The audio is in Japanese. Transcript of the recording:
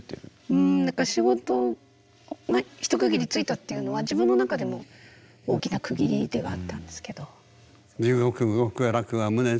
うん何か仕事が一区切りついたっていうのは自分の中でも大きな区切りではあったんですけど。